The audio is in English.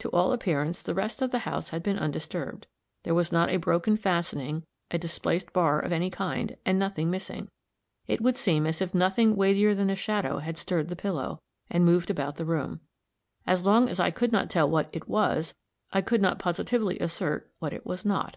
To all appearance the rest of the house had been undisturbed; there was not a broken fastening, a displaced bar of any kind, and nothing missing. It would seem as if nothing weightier than a shadow had stirred the pillow, and moved about the room. As long as I could not tell what it was, I could not positively assert what it was not.